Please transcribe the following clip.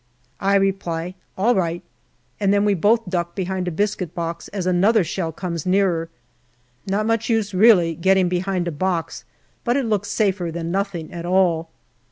I reply, " All right," and then we both duck behind a biscuit box as another shell comes nearer. Not much use really getting behind a box, but it looks safer than nothing at all.